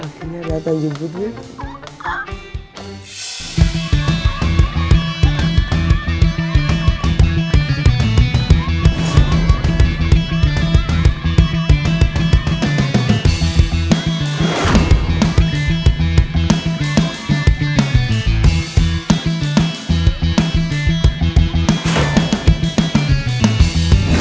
akhirnya datang jemputnya